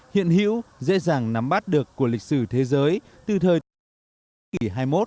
hiện hữu dễ dàng nắm bắt được của lịch sử thế giới từ thời thế kỷ hai mươi một